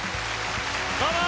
どうも！